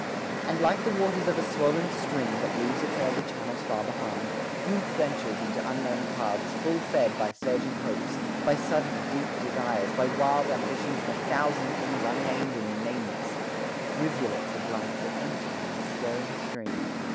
And like the waters of a swollen stream, That leaves its early channels far behind, Youth ventures into unknown paths, full fed By surging hopes, by sudden, deep desires, By wild ambitions and a thousand things, Unnamed and nameless rivulets of life That ever empty in this stirring stream.